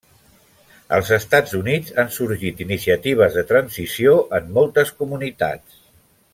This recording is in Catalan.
Als Estats Units, han sorgit iniciatives de transició en moltes comunitats.